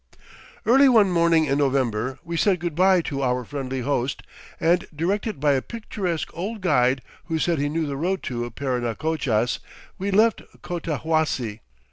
Early one morning in November we said good bye to our friendly host, and, directed by a picturesque old guide who said he knew the road to Parinacochas, we left Cotahuasi.